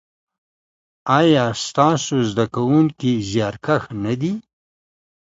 ایا ستاسو زده کونکي زیارکښ نه دي؟